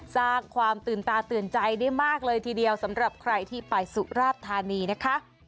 สร้างความตื่นตาตื่นใจได้มากเลยทีเดียวสำหรับใครที่ไปสุราชธานีนะคะ